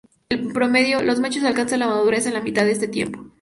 En promedio, los machos alcanzan la madurez en la mitad de este tiempo.